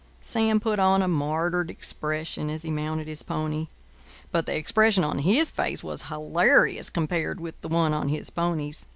Sam put on a martyred expression as he mounted his pony. But the expression on his face was hilarious compared with the one on his pony's.